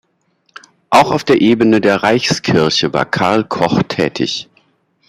Auch auf der Ebene der Reichskirche war Karl Koch tätig.